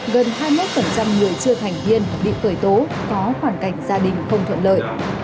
gần hai mươi người chưa thành niên bị cười tố có hoàn cảnh gia đình không thuận lợi